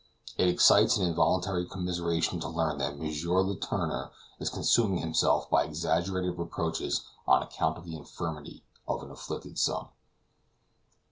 It excites an involuntary commiseration to learn that M. Letourneur is consuming himself by exaggerated reproaches on account of the infirmity of an afflicted son.